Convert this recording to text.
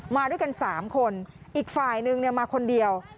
มาด้วยกัน๓คนอีกฝ่ายนึงมาคนเดียว